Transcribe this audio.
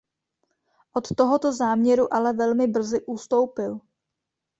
Od tohoto záměru ale velmi brzy ustoupil.